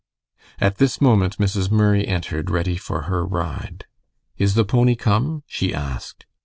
At this moment Mrs. Murray entered ready for her ride. "Is the pony come?" she asked.